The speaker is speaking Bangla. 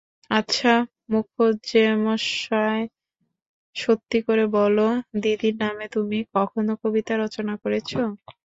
আচ্ছা মুখুজ্যেমশায়, সত্যি করে বলো, দিদির নামে তুমি কখনো কবিতা রচনা করেছ?